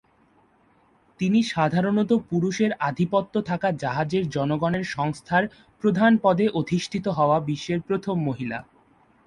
তিনি সাধারণত পুরুষের আধিপত্য থাকা জাহাজের জনগণের সংস্থার প্রধান পদে অধিষ্ঠিত হওয়া বিশ্বের প্রথম মহিলা।